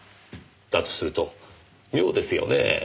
だとすると妙ですよねぇ。